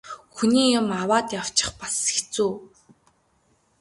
Хүний юм аваад явчих бас хэцүү.